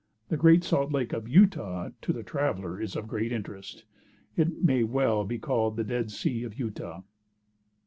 The Great Salt Lake of Utah, to the traveler is of great interest. It may well be called the Dead Sea of Utah.